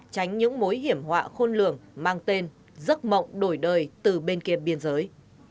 tránh những mối hiểm họa khôn lường mang tên giấc mộng đổi đời từ bên kia biên giới